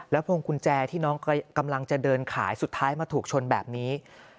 พวงกุญแจที่น้องกำลังจะเดินขายสุดท้ายมาถูกชนแบบนี้